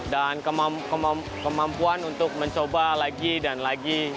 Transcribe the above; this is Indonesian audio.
dan kemampuan untuk mencoba lagi dan lagi